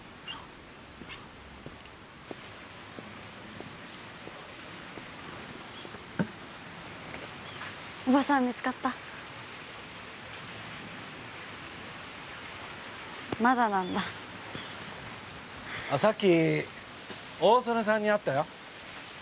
あっさっき大曾根さんに会ったよ。